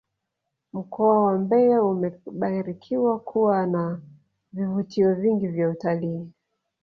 mkoa wa mbeya umebarikiwa kuwa na vivutio vingi vya utalii